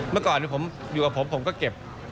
เมื่อก่อนผมอยู่กับผมผมก็เก็บ